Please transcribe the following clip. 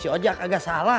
si ojak kagak salah